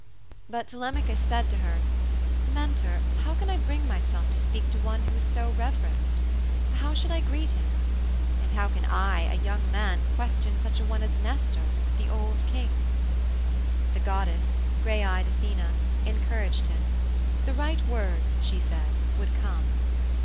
But Telemachus said to her, 'Mentor, how can I bring myself to speak to one who is so reverenced? How should I greet him? And how can I, a young man, question such a one as Nestor, the old King?' The goddess, grey eyed Athene, encouraged him; the right words, she said, would come.